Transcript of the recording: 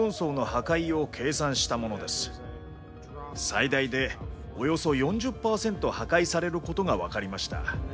最大でおよそ４０％破壊されることが分かりました。